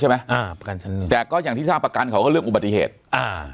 ใช่ไหมอ่าแต่ก็อย่างที่ท่าประกันเขาก็เลือกอุบัติเหตุอ่า